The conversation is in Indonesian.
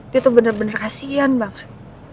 dia tuh bener bener asean banget